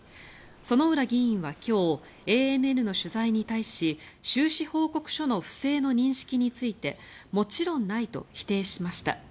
薗浦議員は今日ＡＮＮの取材に対し収支報告書の不正の認識についてもちろんないと否定しました。